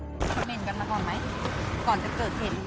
ก็เหม็นกันกันไหมก่อนเกิดเห็น